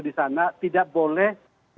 di sana tidak boleh